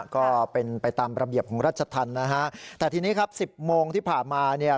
ก็เป็นไปตามระเบียบของราชธรรมนะฮะแต่ทีนี้ครับสิบโมงที่ผ่านมาเนี่ย